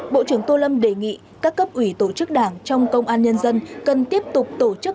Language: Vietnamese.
bộ trưởng tô lâm đề nghị các cấp ủy tổ chức đảng trong công an nhân dân cần tiếp tục tổ chức